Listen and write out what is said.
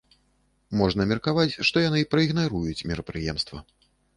Можна меркаваць, што яны праігнаруюць мерапрыемства.